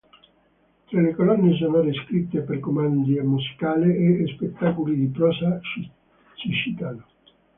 Tra le colonne sonore scritte per commedie musicali e spettacoli di prosa si citano